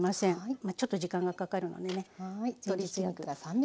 ちょっと時間がかかるのでね。